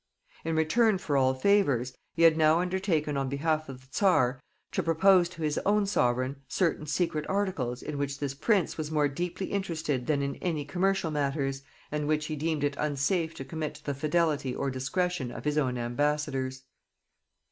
In return for all favors, he had now undertaken on behalf of the czar to propose to his own sovereign certain secret articles in which this prince was more deeply interested than in any commercial matters, and which he deemed it unsafe to commit to the fidelity or discretion of his own ambassadors.